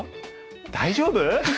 大丈夫？